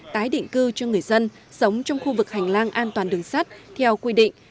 tái định cư cho người dân sống trong khu vực hành lang an toàn đường sắt theo quy định